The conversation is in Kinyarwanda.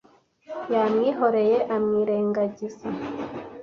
Yamwihoreye amwirengagiza.